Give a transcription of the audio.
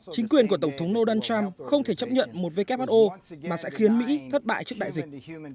chính quyền của tổng thống donald trump không thể chấp nhận một who mà sẽ khiến mỹ thất bại trước đại dịch